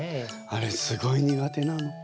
あれすごい苦手なの。